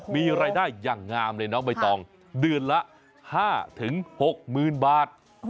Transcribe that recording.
มีรายได้อย่างงามเลยน้องใบตองเดือนละ๕๖๐๐๐บาท